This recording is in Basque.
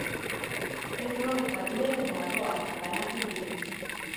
Ebro eta Dueroko arroak banatzen ditu.